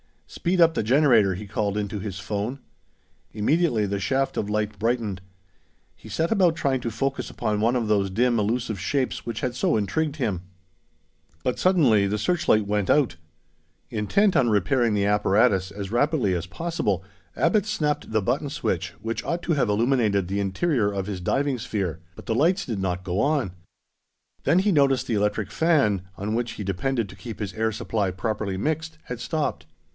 "Speed up the generator," he called into his phone. Immediately the shaft of light brightened. He set about trying to focus upon one of those dim elusive shapes which had so intrigued him. But suddenly the searchlight went out! Intent on repairing the apparatus as rapidly as possible, Abbot snapped the button switch, which ought to have illuminated the interior of his diving sphere; but the lights did not go on. Then he noticed that the electric fan, on which he depended to keep his air supply properly mixed, had stopped.